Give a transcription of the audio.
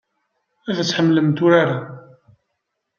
Ad tḥemmlemt urar-a.